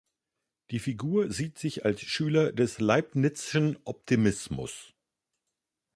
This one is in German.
Die Figur sieht sich als Schüler des Leibniz’schen Optimismus.